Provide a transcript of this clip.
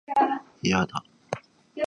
いやだ